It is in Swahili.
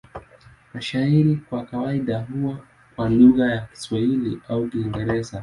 Mashairi kwa kawaida huwa kwa lugha ya Kiswahili au Kiingereza.